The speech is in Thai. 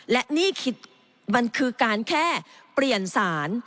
และนี่คือการแค่เปลี่ยนสาร